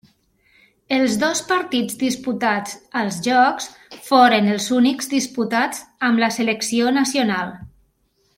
Els dos partits disputats als Jocs foren els únics disputats amb la selecció nacional.